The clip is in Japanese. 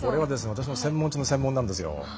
私の専門中の専門なんですよ。